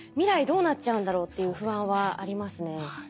どうなっちゃうんだろうっていう不安はありますね。